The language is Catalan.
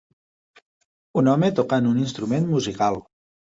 Un home tocant un instrument musical